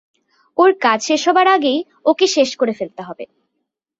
ওর কাজ শেষ হবার আগেই ওকে শেষ করে ফেলতে হবে।